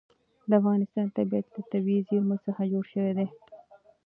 د افغانستان طبیعت له طبیعي زیرمې څخه جوړ شوی دی.